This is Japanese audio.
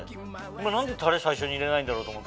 今何でたれ最初に入れないんだろうと思って。